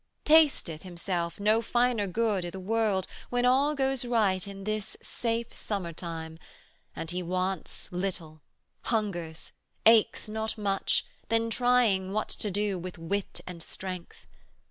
'Tasteth, himself, no finer good i' the world When all goes right, in this safe summertime, And he wants little, hungers, aches not much, 190 Than trying what to do with wit and strength.